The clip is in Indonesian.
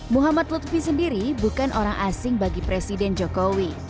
muhammad lutfi sendiri bukan orang asing bagi presiden jokowi